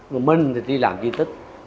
rồi mình thì đi làm duy tích